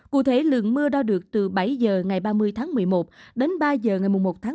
cụ thể lượng mưa đo được từ bảy giờ ngày ba mươi tháng một mươi một đến ba giờ ngày ba mươi tháng một mươi một